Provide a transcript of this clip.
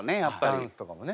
ダンスとかもね。